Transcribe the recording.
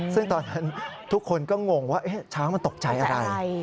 ซึ่งตอนนั้นทุกคนก็งงว่าช้างมันตกใจอะไร